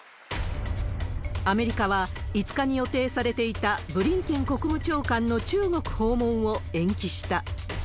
アメリカは、５日に予定されていたブリンケン国務長官の中国訪問を延期した。